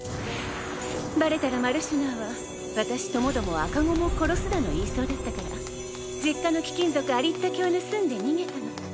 バレたらマルシュナーは私ともども赤子も殺すだの言いそうだったから実家の貴金属ありったけを盗んで逃げたの。